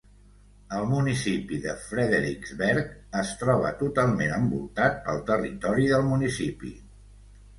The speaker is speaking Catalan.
El municipi de Frederiksberg es troba totalment envoltat pel territori del municipi.